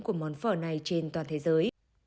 của món phở này trên toàn thế giới